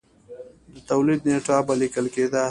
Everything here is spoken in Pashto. د تولید نېټه به لیکل کېده